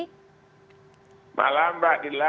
selamat malam pak dila